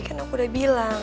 kan aku udah bilang